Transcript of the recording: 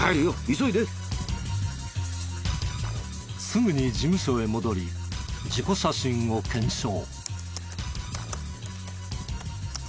すぐに事務所へ戻り事故写真を検証。